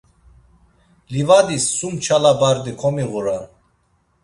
Livadis sum nçala bardi komiğuran.